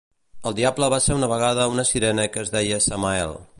El Diable va ser una vegada una sirena que es deia Samael.